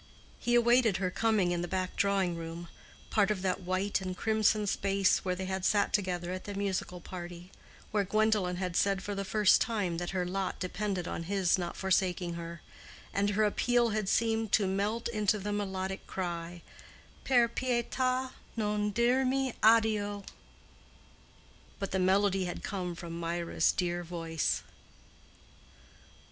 He awaited her coming in the back drawing room—part of that white and crimson space where they had sat together at the musical party, where Gwendolen had said for the first time that her lot depended on his not forsaking her, and her appeal had seemed to melt into the melodic cry—Per pietà non dirmi addio. But the melody had come from Mirah's dear voice.